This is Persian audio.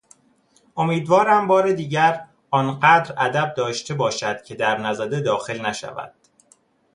امیدوارم بار دیگر آنقدر ادب داشته باشد که در نزده داخل نشود.